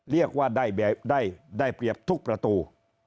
เรียกว่าได้เปรียบทุกประตู